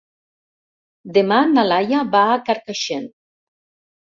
Demà na Laia va a Carcaixent.